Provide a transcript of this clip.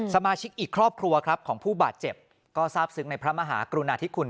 สมาชิกอีกครอบครัวครับของผู้บาดเจ็บก็ทราบซึ้งในพระมหากรุณาธิคุณ